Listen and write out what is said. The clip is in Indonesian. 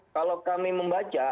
kalau kami membaca